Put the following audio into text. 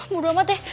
mudah amat deh